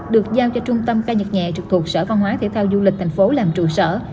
được giao cho trung tâm ca nhật nhẹ trực thuộc sở phong hóa thể thao du lịch tp làm trụ sở